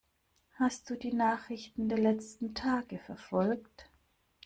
Hast du die Nachrichten der letzten Tage verfolgt?